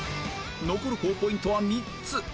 残る高ポイントは３つ